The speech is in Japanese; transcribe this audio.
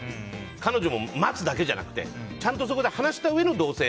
彼女も待つだけじゃなくてちゃんとそこで話したうえでの同棲。